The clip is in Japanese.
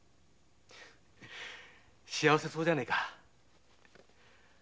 幸せそうじゃねえか。